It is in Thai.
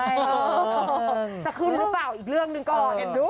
จะขึ้นหรือเปล่าอีกเรื่องหนึ่งก่อน